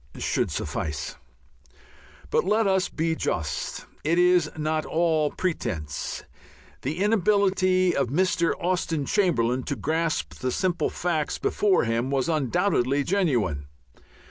should suffice. But let us be just; it is not all pretence; the inability of Mr. Austen Chamberlain to grasp the simple facts before him was undoubtedly genuine.